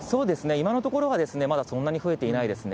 今のところは、まだそんなに増えていないですね。